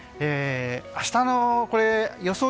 明日の予想